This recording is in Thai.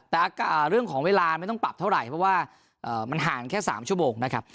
แต่เรื่องของเวลาไม่ต้องปรับเท่าไหร่เพราะว่ามันห่างแค่๓ชั่วโมงนะครับ